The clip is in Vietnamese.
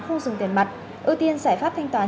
không dùng tiền mặt ưu tiên giải pháp thanh toán